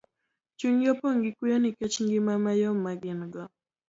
chunygi opong' gi kuyo nikech ngima mayom ma gin go.